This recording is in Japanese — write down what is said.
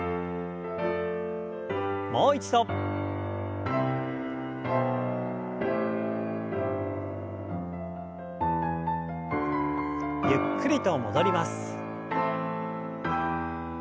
もう一度。ゆっくりと戻ります。